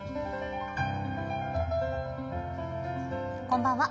こんばんは。